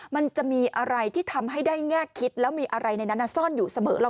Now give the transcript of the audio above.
มันจะมีอะไรที่ทำให้ได้แง่คิดแล้วมีอะไรในนั้นซ่อนอยู่เสมอ